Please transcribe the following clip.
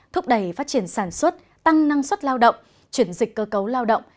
thúc đẩy phát triển sản xuất tăng năng suất lao động chuyển dịch cơ cấu lao động